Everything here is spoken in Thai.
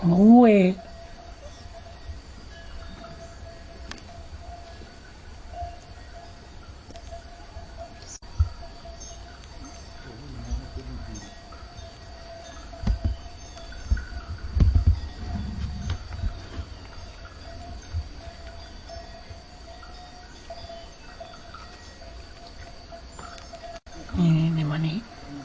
นี่นี่มันนี่